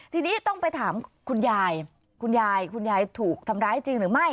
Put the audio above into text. ทีนี้ต้องไปถามคุณยายคุณยายคุณยายถูกทำร้ายจริงหรือไม่